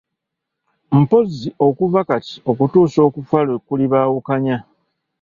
Mpozzi okuva kati okutuusa okufa lwe kulibaawukanya.